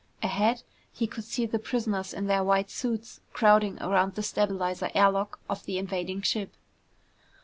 Ahead, he could see the prisoners in their white suits crowding around the stabilizer air lock of the invading ship.